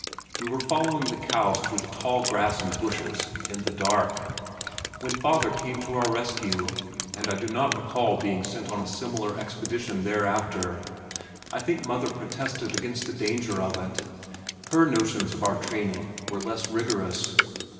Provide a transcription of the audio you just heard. We were following the cows through the tall grass and bushes, in the dark, when father came to our rescue, and I do not recall being sent on a similar expedition thereafter. I think mother protested against the danger of it. Her notions of our training were less rigorous.